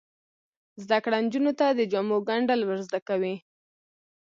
زده کړه نجونو ته د جامو ګنډل ور زده کوي.